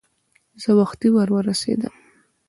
زه وختي ور ورسېدم.